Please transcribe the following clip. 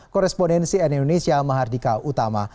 korespondensi nn indonesia mahardika utama